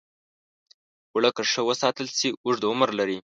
اوړه که ښه وساتل شي، اوږد عمر لري